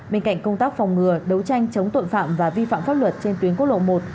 bên cạnh công tác phòng ngừa đấu tranh chống tội phạm và vi phạm pháp luật trên tuyến quốc lộ một